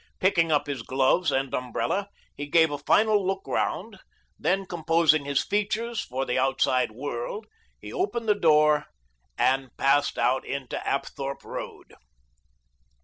Picking up his gloves and umbrella, he gave a final look round, then composing his features for the outside world, he opened the door and passed out into Apthorpe Road.